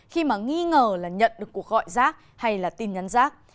khi mà nghi ngờ là nhận được cuộc gọi rác hay là tin nhắn rác